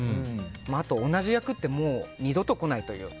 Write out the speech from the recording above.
あと、同じ役はもう二度と来ないというか。